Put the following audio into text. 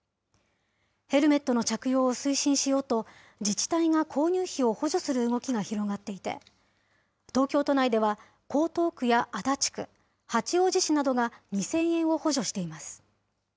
ヘルメットの着用を推進しようと、自治体が購入費を補助する動きが広がっていて、東京都内では江東区や足立区、八王子市などが２０００円を補助しています。